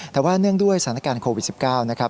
แต่ว่าเนื่องด้วยสถานการณ์โควิด๑๙นะครับ